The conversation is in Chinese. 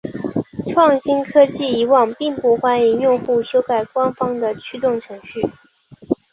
创新科技以往并不欢迎用户修改官方的驱动程序。